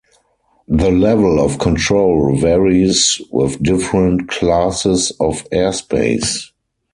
The level of control varies with different classes of airspace.